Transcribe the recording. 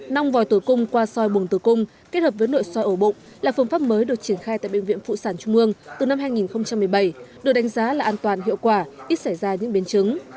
nong vòi tử cung qua soi bùng tử cung kết hợp với nội soi ổ bụng là phương pháp mới được triển khai tại bệnh viện phụ sản trung ương từ năm hai nghìn một mươi bảy được đánh giá là an toàn hiệu quả ít xảy ra những biến chứng